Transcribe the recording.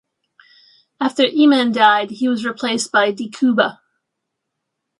After Eman died he was replaced by De Cuba.